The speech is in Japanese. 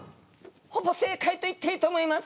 ほぼ正解と言っていいと思います。